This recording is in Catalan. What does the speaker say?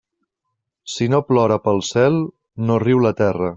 Si no plora pel cel, no riu la terra.